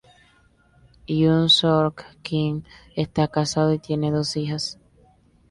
Kyung-surk Kim está casado y tiene dos hijas.